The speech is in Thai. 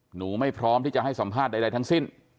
หนูไม่พร้อมที่จะให้สัมภาษณ์ใดทั้งสิ้น